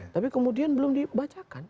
tapi kemudian belum dibacakan